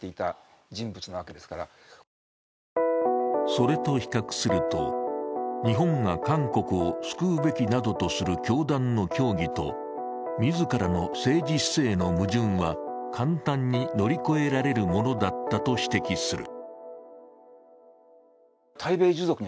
それと比較すると、日本が韓国を救うべきなどとする教団の教義と、自らの政治姿勢の矛盾は簡単に乗り越えられるものだったと指摘する。